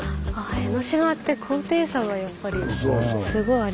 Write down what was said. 江の島って高低差がやっぱりすごいありますね。